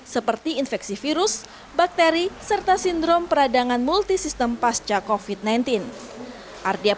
seperti infeksi virus bakteri serta sindrom peradangan multistem pasca covid sembilan belas